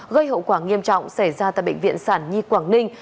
gây hậu quả nghiêm trọng xảy ra tại bệnh viện sản nhi quảng ninh